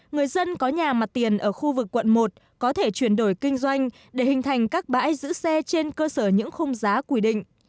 người dân có nhà mặt tiền ở khu vực quận một có thể chuyển đổi kinh doanh để hình thành các bãi giữ xe trên cơ sở những khung giá quy định